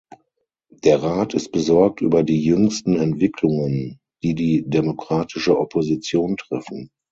Der Rat ist besorgt über die jüngsten Entwicklungen, die die demokratische Opposition treffen.